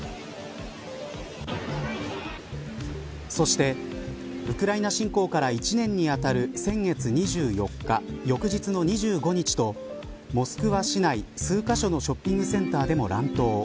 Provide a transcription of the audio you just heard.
そして、ウクライナ侵攻から１年に当たる先月２４日翌日の２５日とモスクワ市内数カ所のショッピングセンターでも乱闘。